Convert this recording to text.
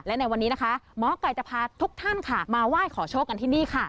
และในวันนี้นะคะหมอไก่จะพาทุกท่านค่ะมาไหว้ขอโชคกันที่นี่ค่ะ